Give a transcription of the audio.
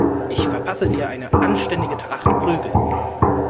Ich verpasse dir eine anständige Tracht Prügel.